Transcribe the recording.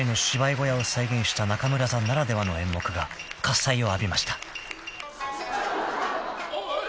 小屋を再現した中村座ならではの演目が喝采を浴びました］